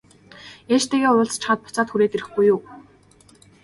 Ээжтэйгээ уулзчихаад буцаад хүрээд ирэхгүй юу?